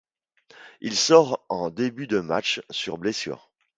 Il sort en début de match sur blessure.